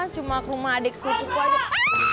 cuma rumah adik sekolah sekolah